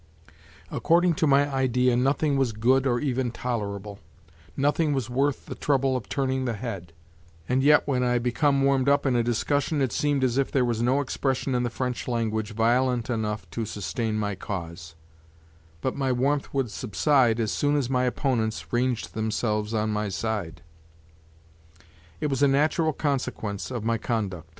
According to my idea nothing was good or even tolerable; nothing was worth the trouble of turning the head, and yet when I had become warmed up in a discussion it seemed as if there was no expression in the French language violent enough to sustain my cause; but my warmth would subside as soon as my opponents ranged themselves on my side. It was a natural consequence of my conduct.